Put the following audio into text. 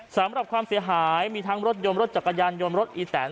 ความเสียหายมีทั้งรถยนต์รถจักรยานยนต์รถอีแตน